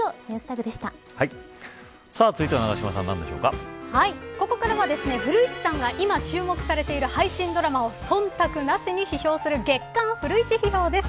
続いてはここから古市さんの今注目されている配信ドラマを忖度なしに批評する月刊フルイチ批評です。